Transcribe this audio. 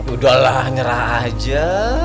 udah lah nyerah aja